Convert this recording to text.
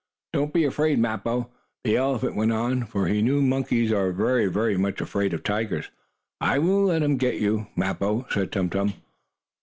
"Don't be afraid, Mappo," the elephant went on, for he knew monkeys are very much afraid of tigers. "I won't let him get you, Mappo," said Tum Tum.